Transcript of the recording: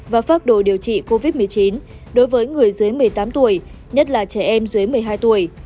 và pháp đồ điều trị covid một mươi chín đối với người dưới một mươi tám tuổi nhất là trẻ em dưới một mươi hai tuổi